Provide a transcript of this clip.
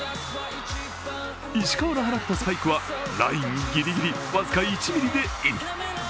石川の放ったスパイクはラインギリギリ僅か１ｍｍでイン！